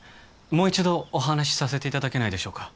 もう一度お話させていただけないでしょうか？